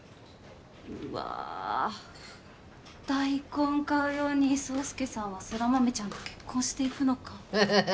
うわあ大根買うように爽介さんは空豆ちゃんと結婚していくのかフフフフ